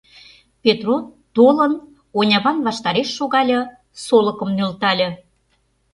Петроп, толын, оньаван ваштареш шогале, солыкым нӧлтале...